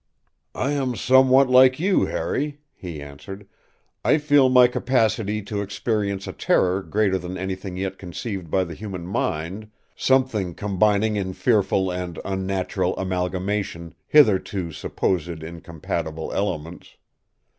” “I am somewhat like you, Harry,” he answered. “I feel my capacity to experience a terror greater than anything yet conceived by the human mind—something combining in fearful and unnatural amalgamation hitherto supposed incompatible elements.